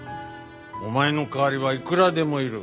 お前の代わりはいくらでもいる。